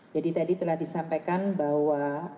jadi tadi telah disampaikan bahwa